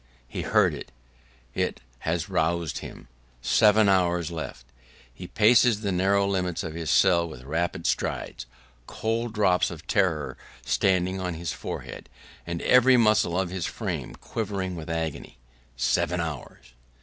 He heard it; it has roused him. Seven hours left! He paces the narrow limits of his cell with rapid strides, cold drops of terror starting on his forehead, and every muscle of his frame quivering with agony. Seven hours!